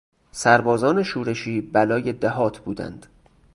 سربازان شورشی بلای دهات بودند.